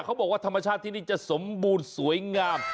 เขาบอกว่าธรรมชาติที่นี่จะสมบูรณ์สวยงาม